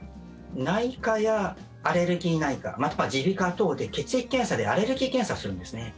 内科やアレルギー内科または耳鼻科等で血液検査でアレルギー検査をするんですね。